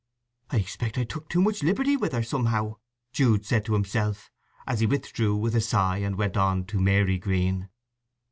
"I expect I took too much liberty with her, somehow," Jude said to himself, as he withdrew with a sigh and went on to Marygreen.